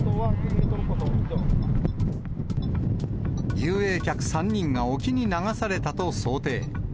遊泳客３人が沖に流されたと想定。